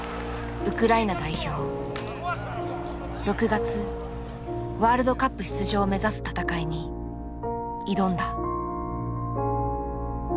６月ワールドカップ出場を目指す戦いに挑んだ。